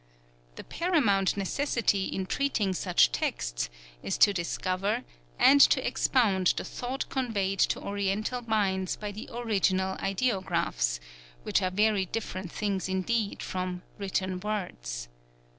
The paramount necessity in treating such texts is to discover and to expound the thought conveyed to Oriental minds by the original ideographs, which are very different things indeed from "written words."